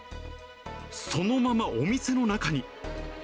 そのままお店の中に。